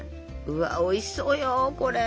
うわおいしそうよこれ！